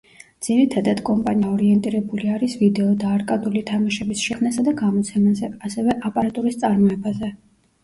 ძირითადად კომპანია ორიენტირებული არის ვიდეო და არკადული თამაშების შექმნასა და გამოცემაზე, ასევე აპარატურის წარმოებაზე.